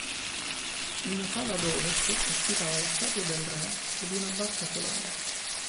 Una sala ad ovest ospitava la statua del re ed una barca solare.